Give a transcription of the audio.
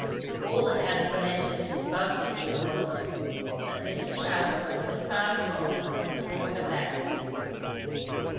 All that Antoinette and Mrs. Busby knew was, that Mr. Southwode had found Rotha and brought her back.